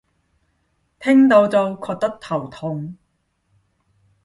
聽到就覺得頭痛